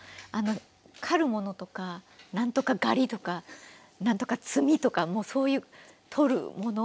刈るものとか何とか狩りとか何とか摘みとかもうそういう取るもの？